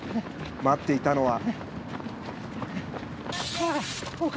待っていたのは。